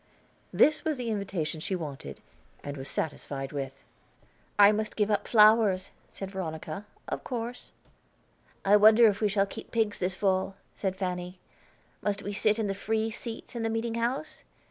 This was the invitation she wanted, and was satisfied with. "I must give up flowers," said Veronica, "of course." "I wonder if we shall keep pigs this fall?" said Fanny. "Must we sit in the free seats in the meeting house?